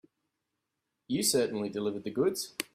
You certainly delivered the goods.